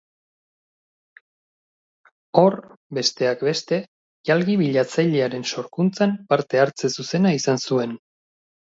Hor, besteak beste, Jalgi bilatzailearen sorkuntzan parte-hartze zuzena izan zuen.